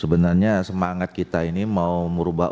sebenarnya semangat kita ini mau merubah